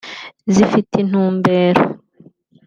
zifite intumbero